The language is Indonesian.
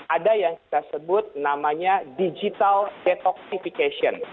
ada yang kita sebut namanya digital detoktification